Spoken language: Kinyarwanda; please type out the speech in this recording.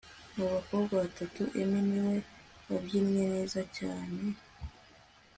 mu bakobwa batatu, emi niwe wabyinnye neza cyane